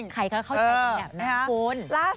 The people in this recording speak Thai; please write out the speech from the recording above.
ใครเขาเข้าใจแบบนี้